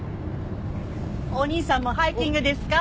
お兄さんもハイキングですか？